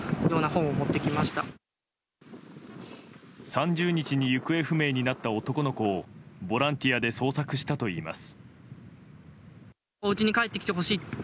３０日で行方不明になった男の子をボランティアで捜索したといいます。